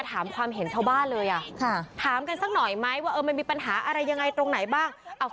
ถอดหนึ่งแล้วกันนะ